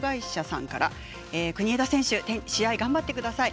国枝選手、試合頑張ってください。